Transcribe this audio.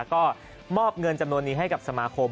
ก็มอบเงินจำนวนนี้ให้กับสมาคม